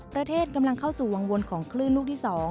กำลังเข้าสู่วังวนของคลื่นลูกที่๒